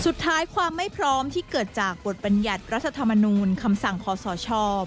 สุดท้ายความไม่พร้อมที่เกิดจากบทบรรยัติรัฐธรรมนูลคำสั่งขอสช